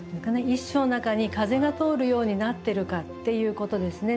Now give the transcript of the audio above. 一首の中に風が通るようになってるかっていうことですね。